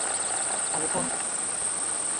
A do conto.